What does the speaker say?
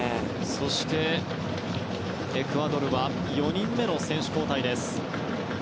そして、エクアドルは４人目の選手交代です。